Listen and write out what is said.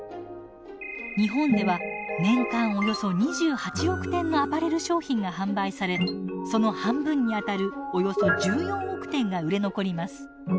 日本では年間およそ２８億点のアパレル商品が販売されその半分にあたるおよそ１４億点が売れ残ります。